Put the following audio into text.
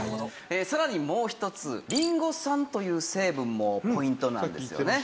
さらにもう一つリンゴ酸という成分もポイントなんですよね。